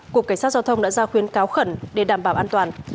cục cảnh sát giao thông đã ra khuyến cáo khẩn để đảm bảo an toàn